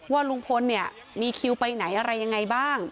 ว่าลุงพลเนี่ยมีคิวไปไหนอะไรยังไงบ้าง